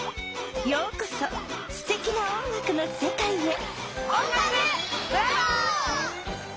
ようこそすてきな音楽のせかいへ！